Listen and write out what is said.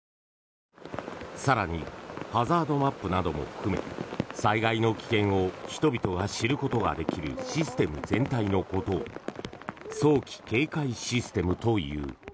更にハザードマップなども含め災害の危険を人々が知ることができるシステム全体のことを早期警戒システムという。